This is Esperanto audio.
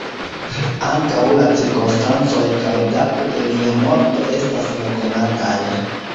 Ankaŭ la cirkonstancoj kaj dato de lia morto estas nekonataj.